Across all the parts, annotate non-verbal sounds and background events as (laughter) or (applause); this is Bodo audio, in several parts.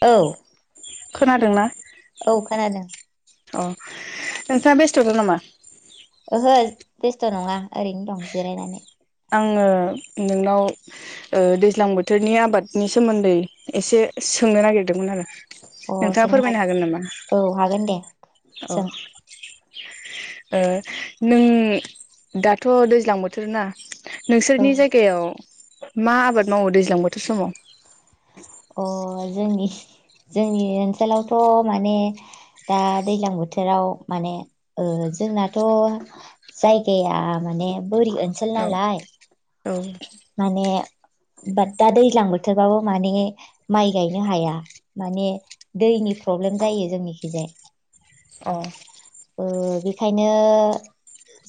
औ। खोनादोंना? औ खोनादों। अ नोंथाङा बेस्थ'द' नामा? ओहो बेस्थ' नङा ओरैनो दं जिरायनानै। आङो नोंनाव ओ दैज्लां बोथोरनि आबादनि सोमोन्दै एसे सोंनो नागिरदोंमोन आरो। अह नोंथाङा सोंनो फोरमायनो हागोन नामा औ हागोन दे अ सों। ओ नों दाथ' दैज्लां बोथोर ना। औ नोंसोरनि जायगायाव मा आबाद मावो दैज्लां बोथोर समाव? अह जोंनि जोंनि ओनसोलावथ' माने दा दैज्लां बोथोराव माने ओ जोंनाथ' जायगाया माने बोरि ओनसोल औ नालाय औ माने बाट दा दैज्लां बोथोरबाबो माने माइ गायनो हाया माने दैनि प्रब्लेम जायो जोंनिखिजाय। अ ओ बेखायनो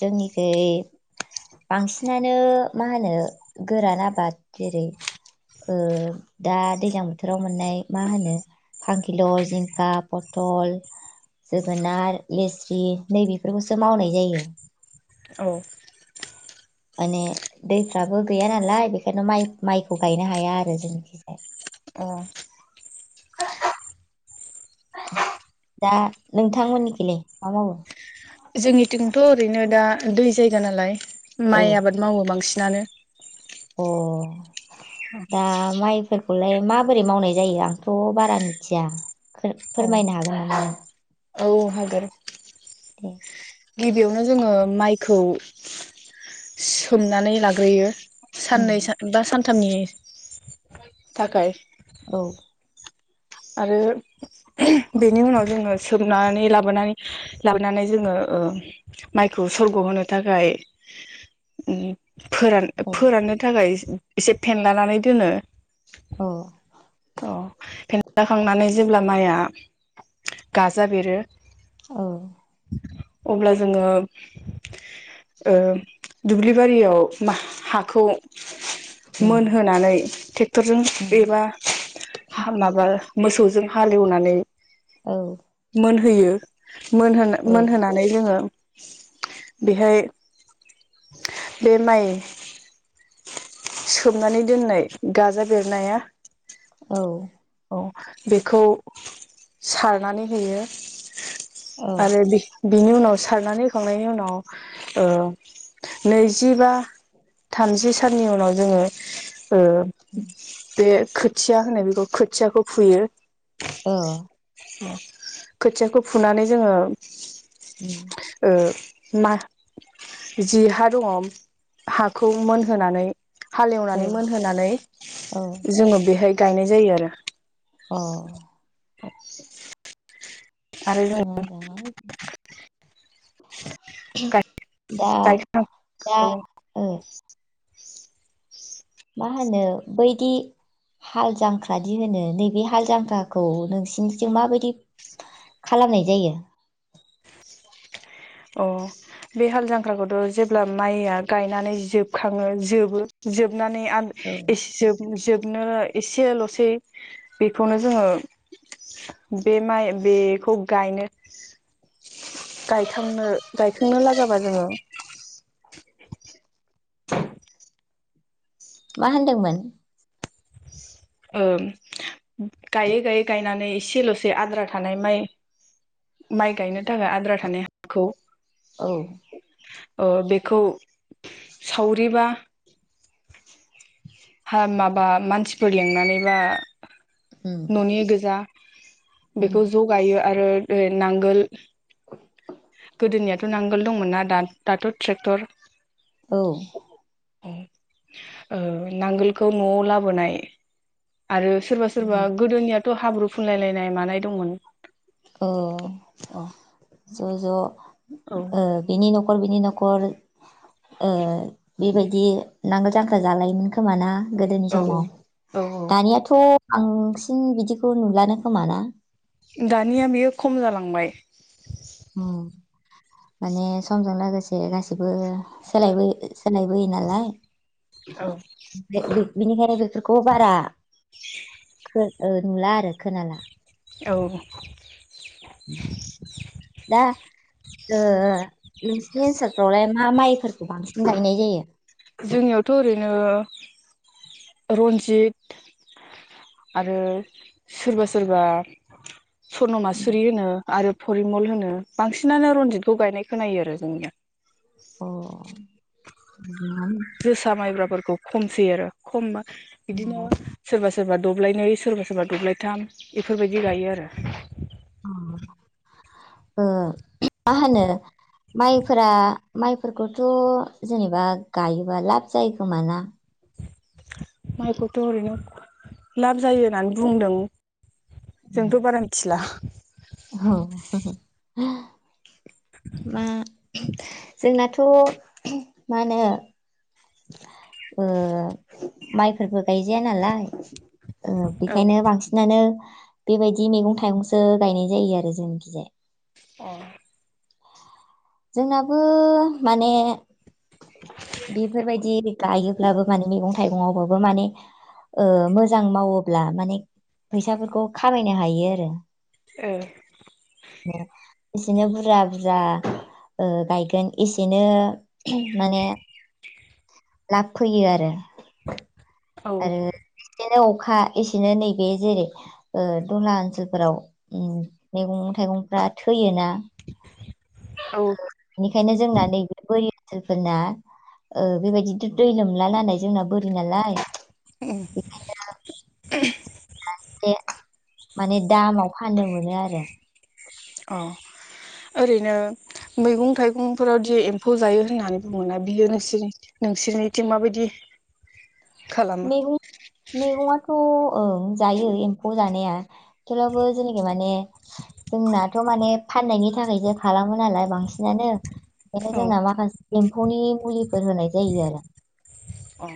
जोंनिखै बांसिनानो मा होनो गोरान आबाद जेरै ओ दा दैज्लां बोथोराव मोननाय मा होनो खांखिलर, जिंखा, पथल, जोगोनार, लेस्रि नै बेेफोरखौसो मावनाय जायो। औ। माने दैफ्राबो गैया नालाय बेखायनो माइ माइखौ गायनो हाया आरो जोंनिखिजाय। अ (inaudible) दा नोंथांमोननिखैलाय मा मावो? जोंनिथिंथ' ओरैनो दा दै जायगा नालाय माइ आबाद मावो बांसिन। नानो। अह दा माइफोरखौलाय माबोरै मावनाय जायो आंथ' बारा मिथिया खो फोरमायनो हागोन नामा? औ हागोन। दे। गिबियावनो जोङो माइखौ सोमनानै लाग्रोयो। उम साननै सान बा सान थामनि थाखाय औ आरो बेनि उनाव जोङो सोमनानै लाबोनानै लाबोनानै जोङो ओ माइखौ सरग' होनो थाखाय ओम फोरान औ फोराननो थाखाय ए से फेनलानानै दोनो। अ अ फेन खांनानै जेब्ला माइया गाजा बेरो औ अब्ला जोङो ओ दुब्लिबारियाव माह हाखौ उम मोनहोनानै टेक्टरजों उम एबा हा माबा मोसौजों हालेवनानै औ मोनहोयो। मोनहो औ मोनहोनानै जोङो बेहाय बे माइ सोमनानै दोननाय गाजा बेरनाया औ औ बेखौ सारनानै होयो। औ आरो बि-बिनि उनाव सारनानै होखांनायनि उनाव ओ नैजिबा थामजि साननि उनाव जोङो ओ उम बे खोथिया होनो बेखौ खोथियाखौ फुयो। औ। खोथियाखौ फुनानै जोङो उम ओ मा जि हा दङ हाखौ मोनहोनानै औ हालेवनानै मोनहोनानै औ जोङो बेहाय गायनाय जायो आरो अ (inaudible) आरो जों (unintelligible) (inaudible) दा गायखां दा औ ओ मा होनो बैदि हाल जांख्रा दि होनो नैबे हाल जांख्राखौ नोंसिनिजों माबायदि खालामनाय जायो? अ बे हाल जांख्राखौथ' जेब्ला माइया गायनानै जोबखाङो जोबो जोब नानै औ एसे जोब जोब बिनो एसेल'सै बेखौनो जोंङो बे माइ बेखौ गायनो गायखांनो गायखांनो लागाबा जोंङो मा होनदोंमोन ओं गायै गायै गायनानै एसेल'सै आद्रा थानाय माइ माइ गायनो थाखाय आद्रा थानाय हाखौ औ ओ बेखौ सावरिबा हा माबा मानसिफोर लिंनानैबा उम न'नि गोजा उम बेखौ ज गायो। आरो ओ नांगोल गोदोनियाथ' नांगोल दंमोन ना दा दाथ' ट्रेक्टर औ ओ नांगोलखौ न'आव लाबोनाय आरो सोरबा सोरबा उम गोदोनिया थ' हाब्रु फुनलायलायनाय मानाय दंमोन। अ औ ज' ज' औ ओ बेनि न खर बिनि न'खर ओ बिबायदि नांगोल जांख्रा जालायोमोन खोमाना। गोदोनि औ समाव औ दानियाथ' आंसिन बिदिखौ नुलानो खोमा ना दानिया बेयो खम जालांबाय। उम माने समजों लोगोसे गासिबो सोलायबो सोलायबोयो नालाय। औ बे बि-बिनिखायनो बेफोरखौ बारा खो ओ नुला आरो खोनाला। औ दा ओ नोंसिनि ओनसोलफ्रावलाय मा माइ फोरखौ बांसिन गायनाय जायो। जोंनियावथ' ओरैनो रन्जित आरो सोरबा सोरबा सर्न मासुरि होनो। आरो फरिमल होनो बांसिनानो रन्जितखौ गायनाय खोनायो आरो जोंनिजा अ मोजाङानो। जोसा माइब्राफोरखौ खम सै आरो खमा बिदिनो सोरबा सो सोरबा दब्लायनै सोरबा सोरबा दब्लायथाम बेफोरबायदि गायो आरो ओ मा होनो माइफोरा माइफोरखौथ' जेनेबा गायोबा लाब जायो खोमा ना? माइखौथ' ओरैनो लाब जायो होननानै बुंदों। जोंथ' बारा मिथिला। औ मा जोंनाथ' मा होनो ओ माइफोरबो गायजाया नालाय। ओ औ बेखायनो ओ बांसिनानो बेबायदि मैगं थाइगंसो गायनाय जायो आरो जोंनिखिजाय। अ जोंनाबो माने बेफोरबायदि गायोब्लाबो माने मैगं थाइगंआवबाबो माने ओ मोजां मावोब्ला माने फैसाफोरखौ खामायनो हायो आरो औ बिदिनो बुरजा बुरजा ओ गायगोन एसेनो माने लाब फैयो आरो औ आरो बिदिनो अब अखा एसेनो नैबे जेरै ओ दला ओनसोलफोराव मैगं थाइगंफ्रा थैयोना? (inaudible) औ बेनिखायनो जोंना नैबे बोरि ओनसोलफोरना ओ बेबायदि दै लोमला नालाय जोंना बोरि नालाय। उम बे माने दामाव फानदों मोनो आरो अ ओरैनो मैगं थाइगंफोरावदि एम्फौ जायो होननानै बुङो ना बियो नोंसोरनि नोंसोरनिथिं माबायदि? खालामो मेहु मेगआथ थ' ओं जायो एम्फौ जानाया थेवब्लाबो जेनेखि माने जोंनाथ' माने फाननायनि थाखायसो खालामो नालाय बांसिनानो बेखायनो औ जोंना माखासे एम्फौनि मुलिफोर होनाय जायो आरो। अ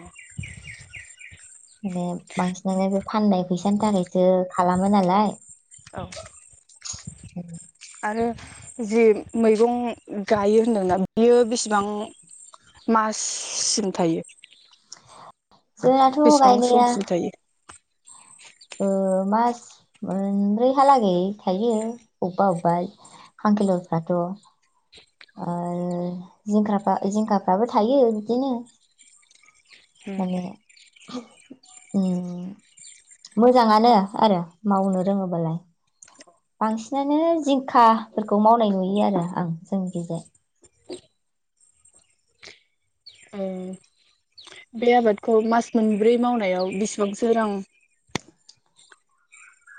माने बांसिनानो बे फाननाय फैसानि थाखायसो खालामो नालाय। औ ए आरो जि मैगं गायो होनदों नों बियो बेसेबां माससिम थायो? जोंनाथ' बेसेबां गायनाया समसिम थायो ओ मास मोनब्रैहालागै थायो अबा अबा खांखलरफ्राथ' आरो जिंफा जिंखाफ्राबो थायो बिदिनो। उम माने मोजाङानो आरो मावनो रोङोबालाय बांसिनानो जिंखाफोरखौ मावनाय नुयो आरो आं। जोंनिखैजाय ओ बे आबादखौ मास मोनब्रै मावनायाव बेसेबांसो रां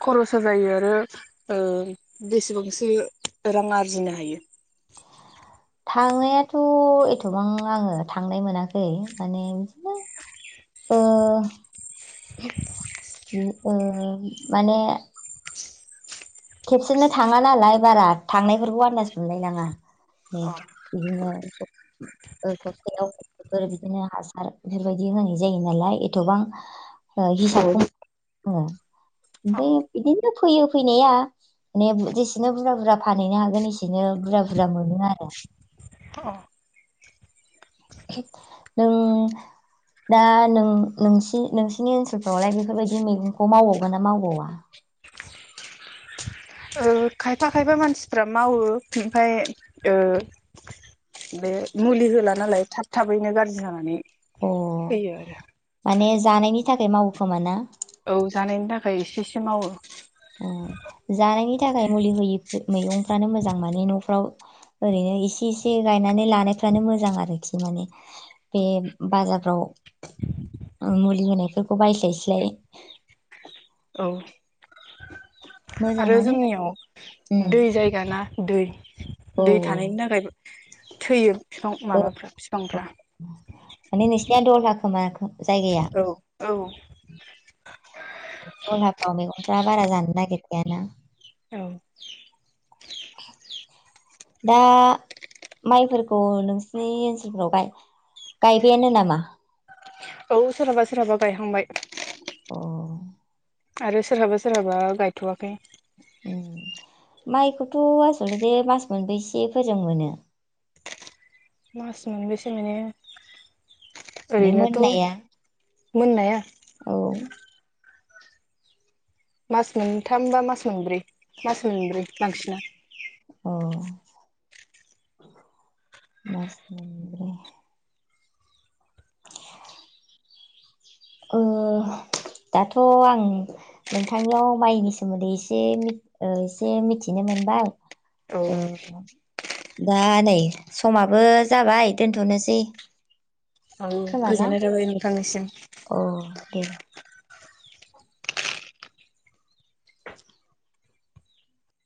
खर'सा जायो आरो ओ बेसेबांसे रां आरजिनो हायो? थांनायाथ' एथबां आङो थांनाय मोनाखै माने बिदिनो ओ ओ माने खेबसेनो थाङा नालाय बारा थांनायफोरखौ आन्दास मोनलायनाङा अ बिदिनो सबथायावफोर बिदिनो हासार बेफोरबायदि होनाय जायो नालाय एथबां हिसाबखौ मोनङो ओमफ्राय अ बिदिनो फैयो फैनाया। माने जेसेनो बुरजा बुरजा फानहैनो हागोन एसेनो बुरजा बुरजा मोनो आरो। नों दा नों नोंसि नोंसिनि ओनसोलफोरावलाय बेफोरबायदि मैगंखौलाय मावबावगोन ना मावबावा? ओ खायफा खायफा मानसिफ्रा मावो ओमफ्राय ओ बे मुलि होला नालाय थाब थाबैनो गाज्रि जानानै अ फैयो आरो माने जानायनि थाखाय मावोखोमा ना? औ जानायनि थाखाय एसे एसे मावो। ओ जानायनि था थाखाय मुलि होयै मैगंफ्रानो मोजां माने न'फ्राव ओरैनो इसे एसे गायनानै लानायफ्रानो मोजां आरोखि माने बे बाजारफ्राव मुलि होनायफोरखौ बायस्लायस्लाय औ आरो मोजाङानो जोंनियाव दै जायगा ना। दै औ दै थानायनि थाखाय थैयो फिफां ओ माबाफ्रा फिफांफ्रा। माने नोंसिना दल हा खोमा जायगाया औ औ दलहा अ मैगंफ्रा बारा जानो नागिरखाया ना। औ दा माइफोरखौ नोंसिनि ओनसोलफोराव गाय गायबायानो नामा? औ सोराबा सोराबा गाय हांबाय। अ आरो सोरहाबा सोरहाबा गायथ'वाखै। उम माइखौथ' आसल'थे मास मोनबोसे फोजों मोनो? मास मोनबोसे माने माने ओरैनोथ' मोननाया मोननाया? औ मास मोनथाम बा मास मोनब्रै मास मोनब्रै बांसिना। अ मास मोनब्रै। ओ दाथ' आं नोंथांनियाव माइनि सोमोन्दै एसे एसे मिथिनो मोनबाय। औ ओ दा नै समाबो जाबाय दोनथ'नोसै। औ गोजोननाय थाबाय नोंथांनिसिम। औ दे।